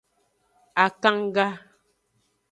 Akanga.